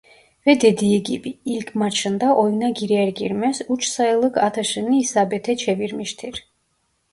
Ve dediği gibi ilk maçında oyuna girer girmez üç sayılık atışını isabete çevirmiştir.